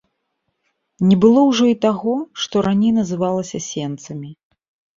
Не было ўжо і таго, што раней называлася сенцамі.